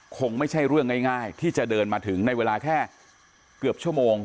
คงไม่ใช่เรื่องง่ายที่จะเดินมาถึงในเวลาแค่เกือบชั่วโมง